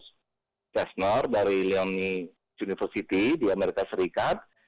dari prof cessner dari leone university di amerika serikat